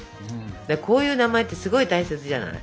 こういう名前ってすごい大切じゃない？